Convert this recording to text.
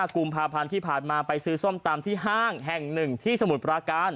กุมภาพันธ์ที่ผ่านมาไปซื้อส้มตำที่ห้างแห่งหนึ่งที่สมุทรปราการ